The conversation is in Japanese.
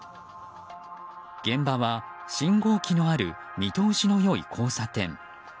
現場は信号機のある見通しの良い交差点。